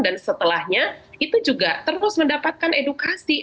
dan setelahnya itu juga terus mendapatkan edukasi